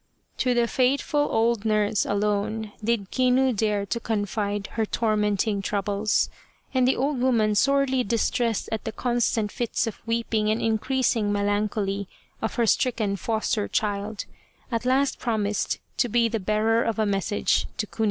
To the faithful old nurse alone did Kinu dare to confide her tormenting troubles, and the ola woman, sorely distressed at the constant fits of weeping and increasing melancholy of her stricken foster child, at last promised to be the bearer of a message to Kunizo.